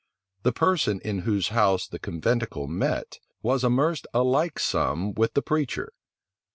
The person in whose house the conventicle met, was amerced a like sum with the preacher.